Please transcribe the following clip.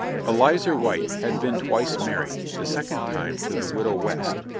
Eleazer White had been twice married, the second time to the widow West.